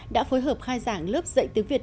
đã phối hợp khai giảng lớp dạy tiếng việt